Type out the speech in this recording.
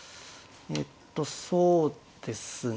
えっとそうですね